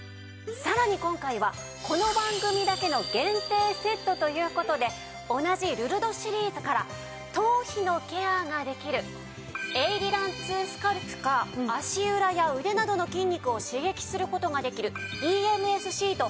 さらに今回はこの番組だけの限定セットという事で同じルルドシリーズから頭皮のケアができるエイリラン２スカルプか足裏や腕などの筋肉を刺激する事ができるＥＭＳシート